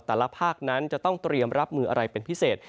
ภาคนั้นจะต้องเตรียมรับมืออะไรเป็นพิเศษ